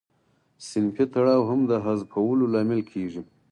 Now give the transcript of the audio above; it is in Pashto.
صنفي تړاو هم د حذفولو لامل کیږي.